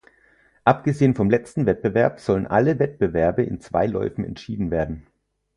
Abgesehen vom letzten Wettbewerb sollen alle Wettbewerbe in zwei Läufen entschieden werden.